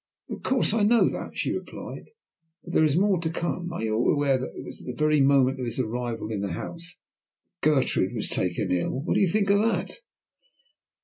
"Of course I know that," she replied, "but there is more to come. Are you also aware that it was at the very moment of his arrival in the house that Gertrude was taken ill? What do you think of that?"